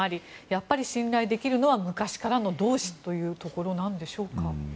やっぱり信頼できるのは昔からの同志というところなんでしょうか。